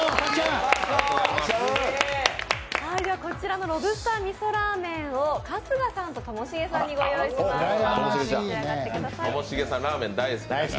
こちらのロブスター味噌らぁ麺を春日さんとともしげさんにご用意しました。